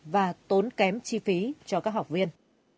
và tốn kém chi phí cho các học viên